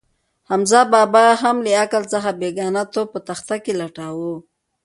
حمزه بابا هم له عقل څخه بېګانه توب په دښته کې لټاوه.